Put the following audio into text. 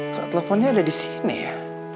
kalau teleponnya ada di sini ya